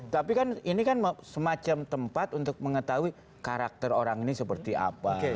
tapi kan ini kan semacam tempat untuk mengetahui karakter orang ini seperti apa